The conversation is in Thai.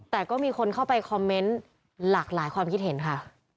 แต่ก็มีคนเข้าไปคอมเมนต์หลากหลายความคิดเห็นค่ะ